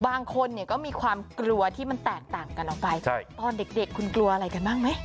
บางคนเนี่ยก็มีความกลัวที่มันแตกต่างกันออกไปตอนเด็กเด็กคุณกลัวอะไรกันบ้างไหม